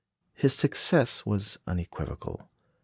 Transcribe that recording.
His success was unequivocal.